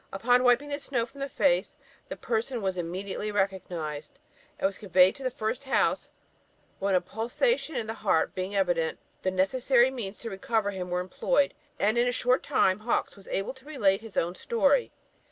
Upon wiping the snow from the face, the person was immediately recognised, and was conveyed to the first house, when a pulsation in the heart being evident, the necessary means to recover him were employed, and in a short time Hawkes was able to relate his own story.